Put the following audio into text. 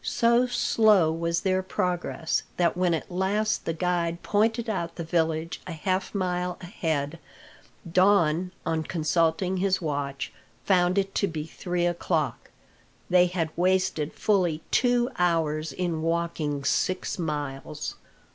So slow was their progress that when at last the guide pointed out the village a halfmile ahead, Don, on consulting his watch, found it to be three o'clock. They had wasted fully two hours in walking six miles.